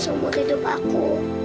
semua hidup aku